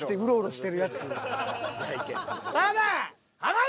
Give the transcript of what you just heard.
ただ。